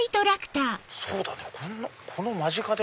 そうだねこの間近で。